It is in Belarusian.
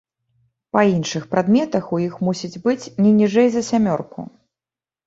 Па іншых прадметах у іх мусіць быць не ніжэй за сямёрку.